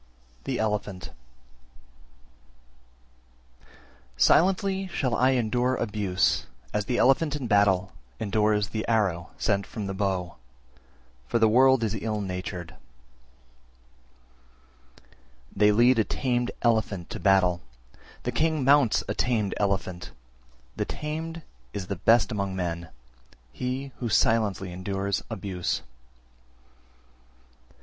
The Elephant 320. Silently shall I endure abuse as the elephant in battle endures the arrow sent from the bow: for the world is ill natured. 321. They lead a tamed elephant to battle, the king mounts a tamed elephant; the tamed is the best among men, he who silently endures abuse.